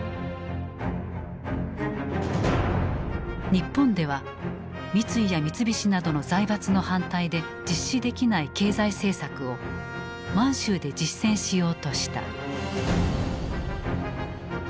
日本では三井や三菱などの財閥の反対で実施できない経済政策を満州で実践しようとした。